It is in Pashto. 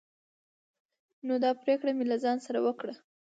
نو دا پريکړه مې له ځان سره وکړه